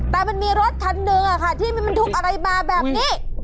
แต่มันมีรถคันหนึ่งที่มันทุกอะไรมาแบบนี้